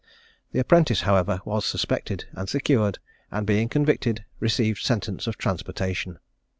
The apprentice, however, was suspected, and secured, and being convicted, received sentence of transportation.